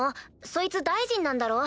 そいつ大臣なんだろ？